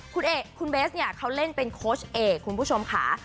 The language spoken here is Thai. คุณเบสเนี่ยเขาเล่นเป็นโค้ชเอกคุณผู้ชมค่ะ